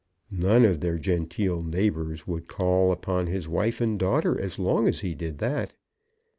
None of their genteel neighbours would call upon his wife and daughter as long as he did that.